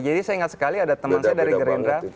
jadi saya ingat sekali ada teman saya dari gerindra